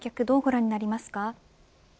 どうご覧になりますか。